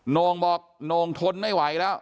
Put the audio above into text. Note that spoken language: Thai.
โน่งบอกโน่งทนไม่ไหวแล้ว